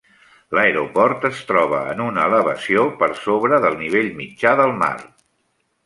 L'aeroport es troba en una elevació de per sobre del nivell mitjà del mar.